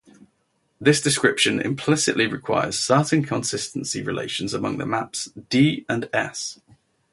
This description implicitly requires certain consistency relations among the maps "d" and "s".